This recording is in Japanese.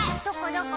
どこ？